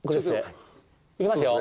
いきますよ